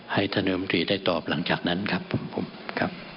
ให้ท่านนายกรมศรีได้ตอบหลังจากนั้นครับครับ